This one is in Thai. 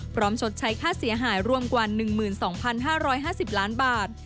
ชดใช้ค่าเสียหายรวมกว่า๑๒๕๕๐ล้านบาท